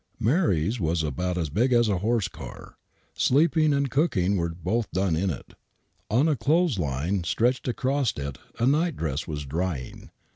Mary's was about as big as a horse car. Sleeping and cooking were both done in it. On a clothes line stretched across it a night dress was drying.